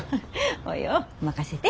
およ任せて。